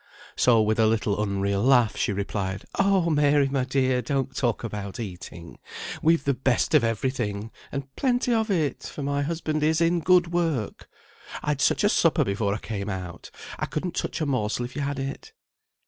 So, with a little unreal laugh, she replied, "Oh! Mary, my dear! don't talk about eating. We've the best of every thing, and plenty of it, for my husband is in good work. I'd such a supper before I came out. I couldn't touch a morsel if you had it."